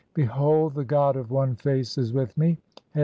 "Behold, the god of One Face is with (15) me.